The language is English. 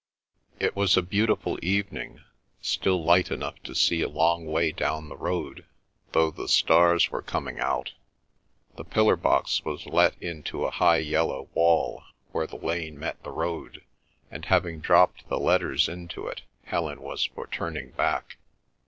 It was a beautiful evening, still light enough to see a long way down the road, though the stars were coming out. The pillar box was let into a high yellow wall where the lane met the road, and having dropped the letters into it, Helen was for turning back.